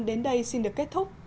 đến đây xin được kết thúc